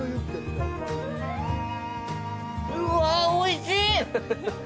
うわ、おいしい！！